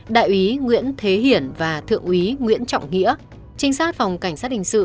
đại úy nguyễn thế hiển và thượng úy nguyễn trọng nghĩa